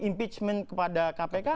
impeachment kepada kpk